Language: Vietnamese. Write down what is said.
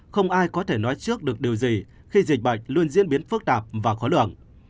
không ai có thể nói trước được điều gì khi dịch bệnh luôn diễn biến phức tạp và khó lường